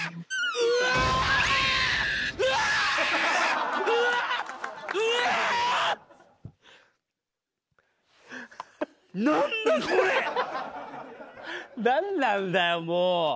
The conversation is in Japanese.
うわー。何なんだよ、もう。